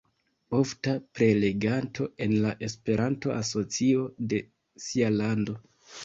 Ofta preleganto en la Esperanto-asocio de sia lando.